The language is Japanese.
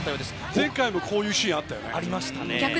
前回もこういうシーンあったよね。